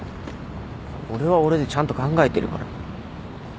俺は俺でちゃんと考えてるから。